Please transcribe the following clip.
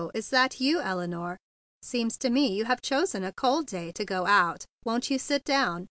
Is that you, Elinore? Seems to me you have chosen a cold day to go out. Won't you sit down?"